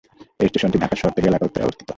এই স্টেশনটি ঢাকার শহরতলি এলাকা উত্তরায় অবস্থিত।